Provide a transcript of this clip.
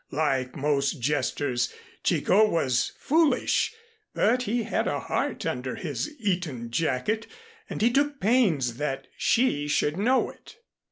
Like most jesters, Chicot was foolish, but he had a heart under his Eton jacket, and he took pains that she should know it.